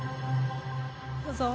どうぞ。